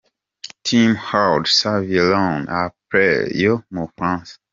Team Haute-Savoie Rhône-Alpes yo mu Bufaransa.